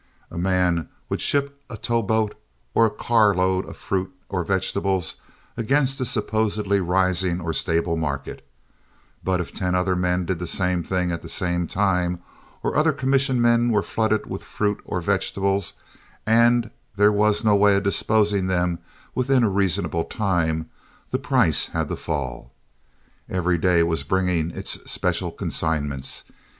A man would ship a tow boat or a car load of fruit or vegetables against a supposedly rising or stable market; but if ten other men did the same thing at the same time, or other commission men were flooded with fruit or vegetables, and there was no way of disposing of them within a reasonable time, the price had to fall. Every day was bringing its special consignments.